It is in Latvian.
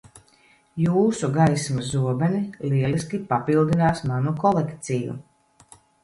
Jūsu gaismas zobeni lieliski papildinās manu kolekciju.